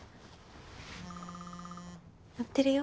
鳴ってるよ。